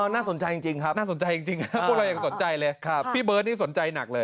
น่าสนใจจริงครับพูดอะไรอย่างสนใจเลยค่ะพี่เบิร์ตสนใจหนักเลย